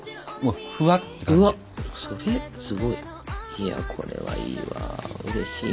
いやこれはいいわうれしいな。